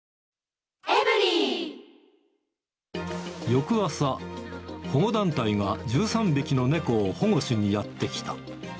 翌朝、保護団体が１３匹の猫を保護しにやって来た。